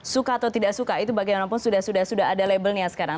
suka atau tidak suka itu bagaimanapun sudah ada labelnya sekarang